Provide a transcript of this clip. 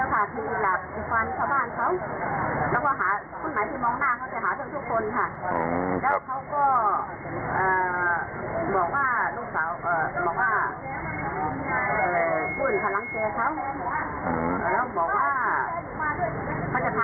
หรืออยากให้รับผู้หลักผู้ใหญ่ของนายชังช่วยหน่อยค่ะ